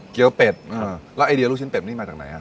เป็ดแล้วไอเดียลูกชิ้นเป็ดนี่มาจากไหนฮะ